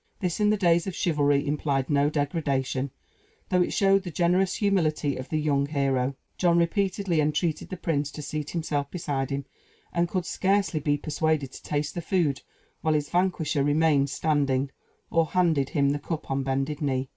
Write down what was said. This in the days of chivalry implied no degradation, though it showed the generous humility of the young hero. John repeatedly entreated the prince to seat himself beside him, and could scarcely be persuaded to taste the food while his vanquisher remained standing, or handed him the cup on bended knee.